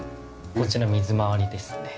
こちら水回りですね。